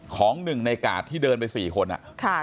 ของหนึ่งในกาดที่เดินไป๔คน